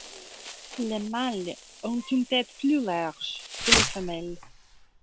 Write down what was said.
Les mâles ont une tête plus larges que les femelles.